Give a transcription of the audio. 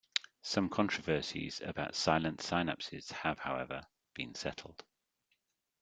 Some controversies about silent synapses have however, been settled.